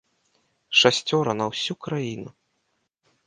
Шасцёра на ўсю краіну!